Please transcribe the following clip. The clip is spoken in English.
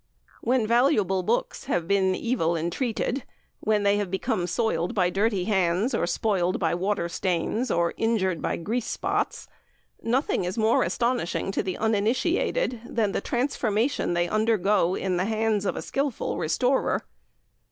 When valuable books have been evil entreated, when they have become soiled by dirty hands, or spoiled by water stains, or injured by grease spots, nothing is more astonishing to the uninitiated than the transformation they undergo in the hands of a skilful restorer.